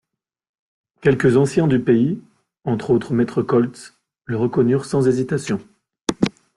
Quelques anciens du pays, — entre autres maître Koltz, — le reconnurent sans hésitation.